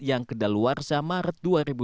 yang kedaluarsa maret dua ribu dua puluh